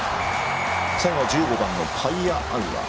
最後は１５番のパイアアウア。